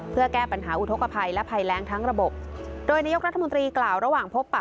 เพื่อแก้ปัญหาอุทธกภัยและภัยแรงทั้งระบบโดยนายกรัฐมนตรีกล่าวระหว่างพบปะ